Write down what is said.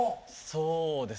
そうですね。